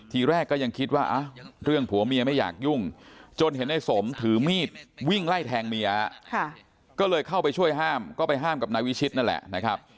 ทีแรกก็ยังคิดว่าเรื่องผัวเมียไม่อยากยุ่งจนเห็นในสมถือมีดวิ่งไล่แทงเมียก็เลยเข้าไปช่วยห้ามก็ไปห้ามกับนายวิชิตนั่นแหละนะครับ